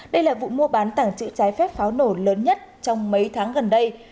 đây là vụ mua bán tàng trữ trái phép pháo nổ lớn nhất trong mấy tháng gần đây